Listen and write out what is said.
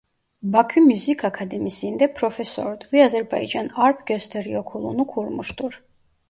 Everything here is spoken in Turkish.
Bakü Müzik Akademisi'nde profesördü ve Azerbaycan Arp Gösteri Okulu'nu kurmuştur.